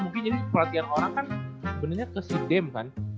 mungkin jadi perhatian orang kan sebenernya ke si dam kan